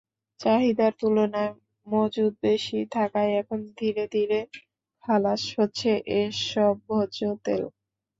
চাহিদার তুলনায় মজুত বেশি থাকায় এখন ধীরে ধীরে খালাস হচ্ছে এসব ভোজ্যতেল।